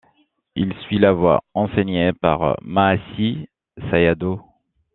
Il suit la voie enseignée par Mahasi Sayadaw.